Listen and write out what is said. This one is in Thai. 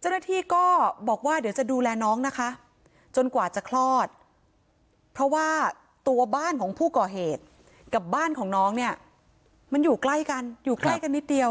เจ้าหน้าที่ก็บอกว่าเดี๋ยวจะดูแลน้องนะคะจนกว่าจะคลอดเพราะว่าตัวบ้านของผู้ก่อเหตุกับบ้านของน้องเนี่ยมันอยู่ใกล้กันอยู่ใกล้กันนิดเดียว